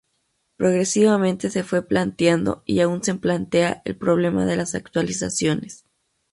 Progresivamente se fue planteando, y aún se plantea, el problema de las actualizaciones.